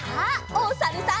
おさるさん。